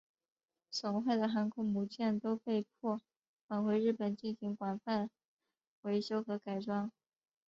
损坏的航空母舰都被迫返回日本进行广泛维修和改装。